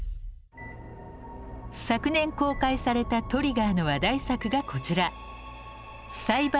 昨年公開されたＴＲＩＧＧＥＲの話題作がこちら。